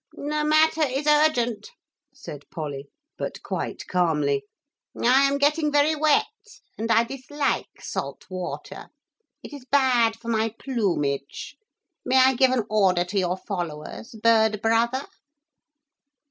'The matter is urgent,' said Polly, but quite calmly. 'I am getting very wet and I dislike salt water. It is bad for my plumage. May I give an order to your followers, bird brother?'